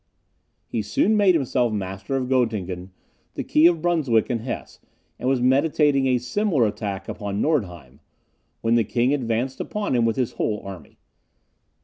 He soon made himself master of Goettingen, the key of Brunswick and Hesse, and was meditating a similar attack upon Nordheim, when the king advanced upon him with his whole army.